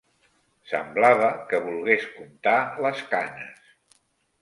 Semblava que volgués contar les canes